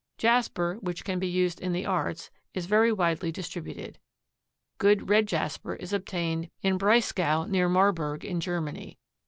Jasper which can be used in the arts is very widely distributed. Good red jasper is obtained in Breisgau and near Marburg in Germany.